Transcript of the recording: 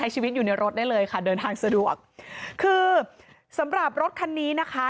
ชีวิตอยู่ในรถได้เลยค่ะเดินทางสะดวกคือสำหรับรถคันนี้นะคะ